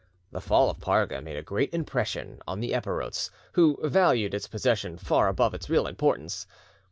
The fall of Parga made a great impression on the Epirotes, who valued its possession far above its real importance.